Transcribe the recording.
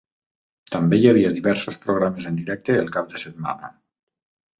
També hi havia diversos programes en directe el cap de setmana.